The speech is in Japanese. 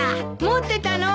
持ってたの？